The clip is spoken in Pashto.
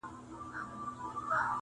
• هغې ته درد لا ژوندی دی,